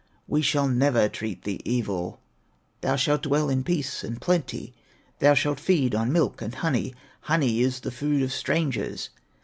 We shall never treat thee evil, Thou shalt dwell in peace and plenty, Thou shalt feed on milk and honey, Honey is the food of strangers.